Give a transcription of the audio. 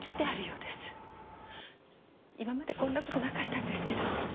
今までこんな事なかったんですけど。